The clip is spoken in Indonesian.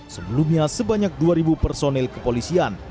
sebelumnya sebanyak dua personil kepolisian